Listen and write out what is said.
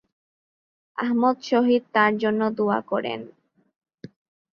আহমদ শহীদ তার জন্য দোয়া করেন।